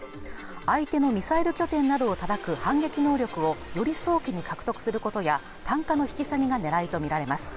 相手のミサイル拠点などを叩く反撃能力をより早期に獲得することや単価の引き下げが狙いとみられます